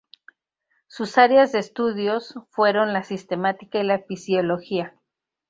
Sus áreas de estudios fueron la sistemática y la fisiología.